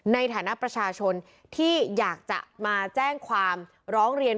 ในฐานะประชาชนที่อยากจะมาแจ้งความร้องเรียน